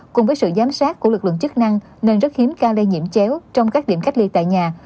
cùng với sự giám sát của lực lượng chức năng nên rất hiếm ca lây nhiễm chéo trong các điểm cách ly tại nhà